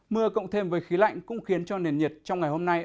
mưa cộng thêm với khí lạnh cũng khiến cho nền nhiệt trong ngày hôm nay